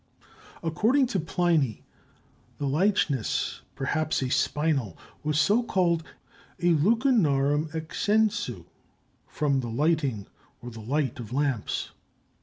According to Pliny, the lychnis, perhaps a spinel, was so called a lucernarum accensu (from the lighting, or the light, of lamps).